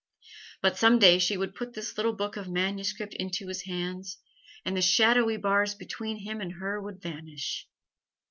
But some day she would put this little book of manuscript into his hands, and the shadowy bars between him and her would vanish.